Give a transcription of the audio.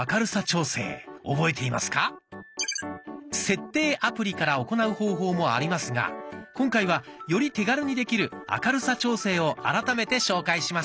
「設定」アプリから行う方法もありますが今回はより手軽にできる明るさ調整を改めて紹介します。